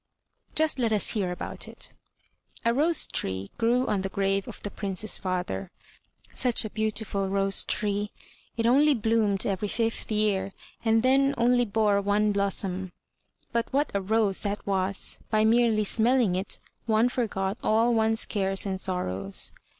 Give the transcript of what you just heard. Just let us hear about it. A rose tree grew on the grave of the Prince's father, — ^such a beautiful rose tree; it only bloomed every fifth year, and then only bore one blossom; but what a rose that was! By merely smelling it one forgot all one's cares and sorrows.